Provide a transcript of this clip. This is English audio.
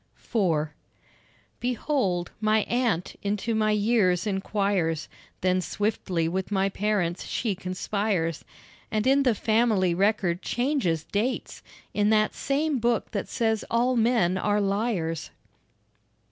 IV Behold, my aunt into my years inquires, Then swiftly with my parents she conspires, And in the family record changes dates In that same book that says all men are liars.